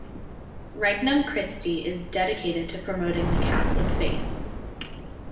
Regnum Christi is dedicated to promoting the Catholic faith.